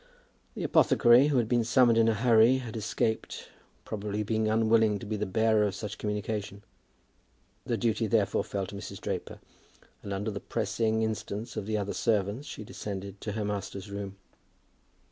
The apothecary, who had been summoned in a hurry, had escaped, probably being equally unwilling to be the bearer of such a communication. The duty therefore fell to Mrs. Draper, and under the pressing instance of the other servants she descended to her master's room.